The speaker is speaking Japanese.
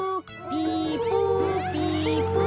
ピポピポ。